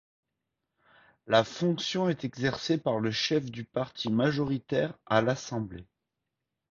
La fonction est exercée par le chef du parti majoritaire à l'Assemblée.